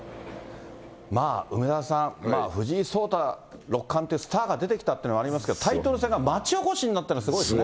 梅沢さん、藤井聡太六冠ってスターが出てきたっていうのはありますけど、タイトル戦が町おこしになってるの、すごいですね。